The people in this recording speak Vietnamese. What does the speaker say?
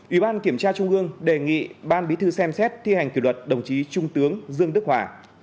ủy ban kiểm tra trung ương đề nghị ban bí thư xem xét thi hành kỷ luật đồng chí trung tướng dương đức hòa